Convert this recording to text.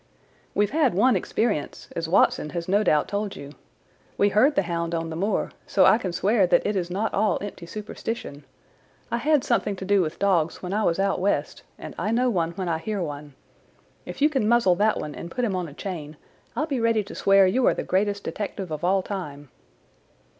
"We've had one experience, as Watson has no doubt told you. We heard the hound on the moor, so I can swear that it is not all empty superstition. I had something to do with dogs when I was out West, and I know one when I hear one. If you can muzzle that one and put him on a chain I'll be ready to swear you are the greatest detective of all time."